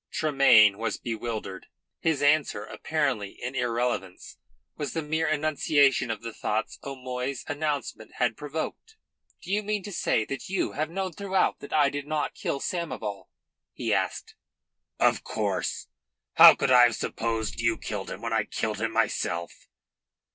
Tremayne was bewildered. His answer, apparently an irrelevance, was the mere enunciation of the thoughts O'Moy's announcement had provoked. "Do you mean to say that you have known throughout that I did not kill Samoval?" he asked. "Of course. How could I have supposed you killed him when I killed him myself?"